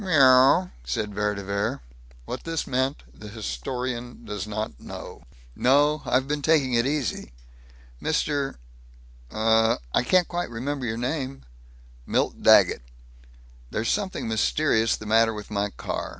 "Mrwr," said Vere de Vere. What this meant the historian does not know. "No; I've been taking it easy. Mr., Uh I can't quite remember your name " "Milt Daggett." "There's something mysterious the matter with my car.